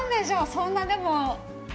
そんな、でも。